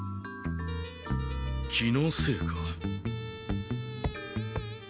気のせいか。